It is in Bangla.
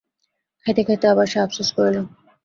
খাইতে খাইতে আবার সে আপসোস করিল।